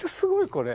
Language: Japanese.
これ。